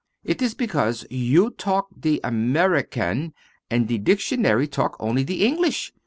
It is because you talk the American and the dictionary talk only the English.